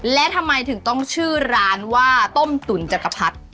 และทำไมถึงต้องชื่อร้านว่าต้มตุ๋นจักรพรรดิ